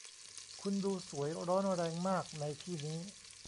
คุณดูสวยร้อนแรงมากในที่นี้